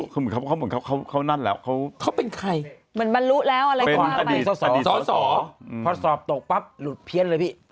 ขนาดพวกเราไหว้พระกันเอาเลย